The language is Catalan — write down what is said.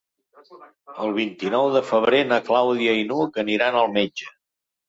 El vint-i-nou de febrer na Clàudia i n'Hug aniran al metge.